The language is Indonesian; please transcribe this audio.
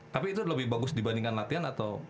tapi itu lebih bagus dibandingkan latihan atau